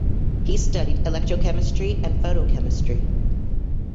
He studied electrochemistry and photochemistry.